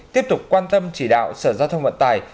tiếp tục quan tâm chỉ đạo sở giao thông vận tải